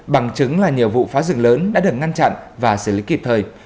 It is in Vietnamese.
bằng chứng là nhiều vụ phá rừng lớn đã được ngăn chặn và xử lý kịp thời